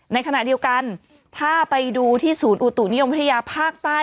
ในขณะเดียวกันถ้าไปดูที่ศูนย์อุตุนิยมวิทยาภาคใต้